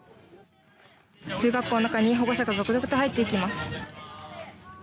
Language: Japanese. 中学校の中に保護者が続々と入っていきます。